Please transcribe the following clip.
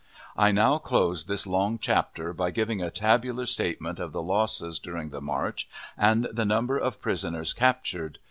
I now close this long chapter by giving a tabular statement of the losses during the march, and the number of prisoners captured.